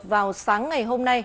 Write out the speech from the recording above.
vào sáng ngày hôm nay